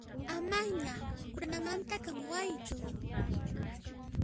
Amaña quranamanta k'amiwaychu.